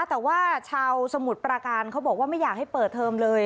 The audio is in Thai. แต่ว่าชาวสมุทรปราการเขาบอกว่าไม่อยากให้เปิดเทอมเลย